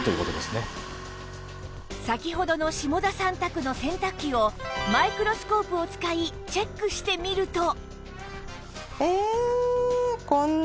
先ほどの下田さん宅の洗濯機をマイクロスコープを使いチェックしてみると